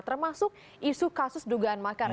termasuk isu kasus dugaan makar